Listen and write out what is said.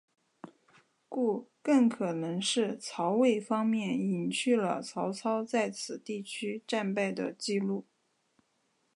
故更可能是曹魏方面隐去了曹操在此地区战败的记录。